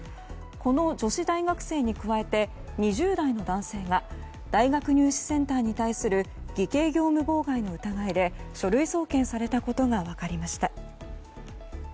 この女子大学生に加えて２０代の男性が大学入試センターに対する偽計業務妨害の疑いで書類送検されたことが分かりました。